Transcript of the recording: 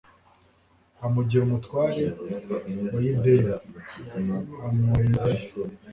amugira umutware wa yudeya, amwoherezayo